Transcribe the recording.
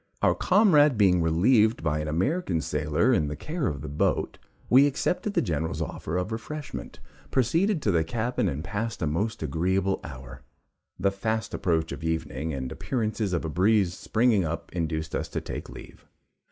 Our comrade being relieved by an American sailor in the care of the boat, we accepted the General's offer of refreshment, proceeded to the cabin, and passed a most agreeable hour. The fast approach of evening and appearances of a breeze springing up induced us to take leave.